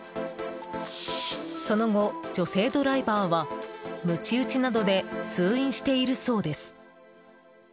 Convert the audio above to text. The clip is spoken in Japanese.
その後、女性ドライバーはむち打ちなどで通院しているそうです。